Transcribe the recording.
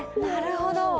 なるほど。